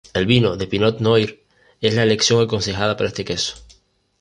El vino de Pinot Noir es la elección aconsejada para este queso.